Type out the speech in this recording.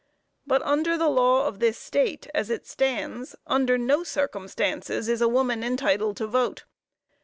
But under the law of this state, as it stands, under no circumstances is a woman entitled to vote.